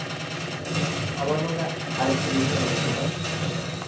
আমার মতে আরেকটু বেশি হবে, খোকা।